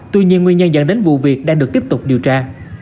tuy nhiên nguyên nhân dẫn đến vụ việc đang được tiếp tục điều tra